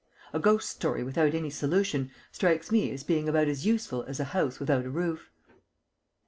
A ghost story without any solution strikes me as being about as useful as a house without a roof.